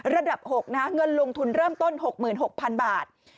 ระดับ๖นะเงินลงทุนเริ่มต้น๖๖๐๐๐บาท